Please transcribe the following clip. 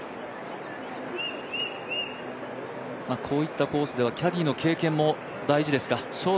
こういったコースではキャディーの経験も大事ですか。